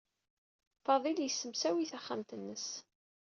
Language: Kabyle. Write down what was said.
Fadil yessemsawi taxxamt-nnes.